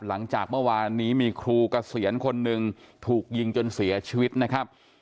หลังจากเมื่อวานนี้มีครูเกษียณคนหนึ่งถูกยิงจนเสียชีวิตนะครับ